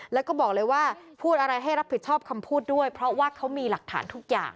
แล้วก็บอกเลยว่าพูดอะไรให้รับผิดชอบคำพูดด้วยเพราะว่าเขามีหลักฐานทุกอย่าง